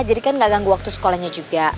jadi kan enggak ganggu waktu sekolahnya juga